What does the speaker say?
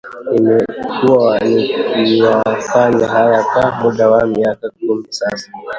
Nimekuwa nikiyafanya haya kwa muda wa miaka kumi sasa